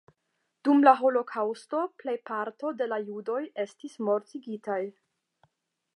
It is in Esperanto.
Dum la holokaŭsto plejparto de judoj estis mortigitaj.